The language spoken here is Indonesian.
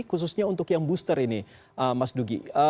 khususnya untuk yang booster ini mas dugi